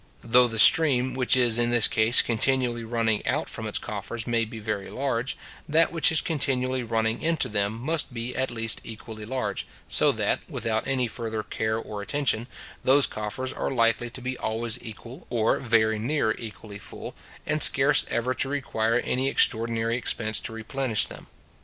Though the stream which is in this case continually running out from its coffers may be very large, that which is continually running into them must be at least equally large, so that, without any further care or attention, those coffers are likely to be always equally or very near equally full, and scarce ever to require any extraordinary expense to replenish them.